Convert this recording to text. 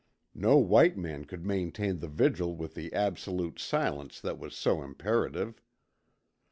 No white man could maintain the vigil with the absolute silence that was so imperative.